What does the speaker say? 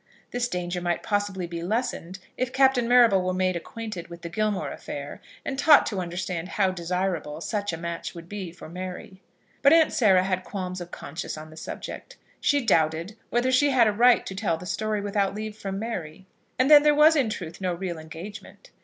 This danger might possibly be lessened if Captain Marrable were made acquainted with the Gilmore affair, and taught to understand how desirable such a match would be for Mary. But aunt Sarah had qualms of conscience on the subject. She doubted whether she had a right to tell the story without leave from Mary; and then there was in truth no real engagement.